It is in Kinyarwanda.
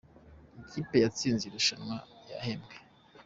Ikipe yatsinze irushanwa yahembwe